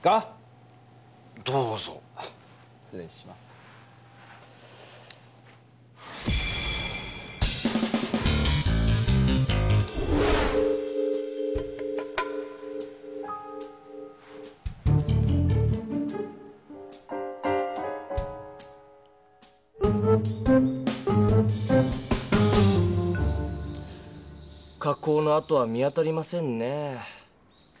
か工のあとは見当たりませんね。